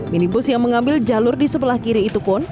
minibus yang mengambil jalur di sebelah kiri itu pun